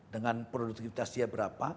dengan produktivitasnya berapa